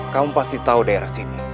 kamu pasti tahu daerah sini